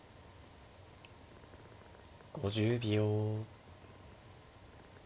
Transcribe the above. ５０秒。